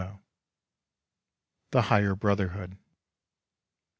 THE HIGHER BROTHERHOOD.